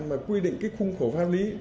mà quy định cái khung khổ pháp lý quy định